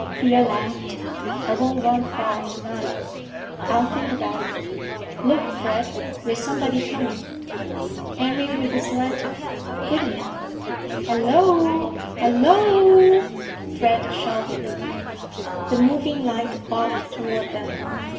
Thea laughed. "I won't run far to night. I'll think about it. Look, Fred, there's somebody coming." "Henry, with his lantern. Good enough! Halloo! Hallo—o—o!" Fred shouted. The moving light bobbed toward them.